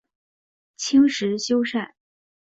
清时修缮。